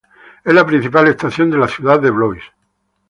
Es la principal estación de la ciudad de Blois.